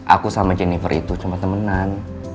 aku sama jennifer itu sama temenan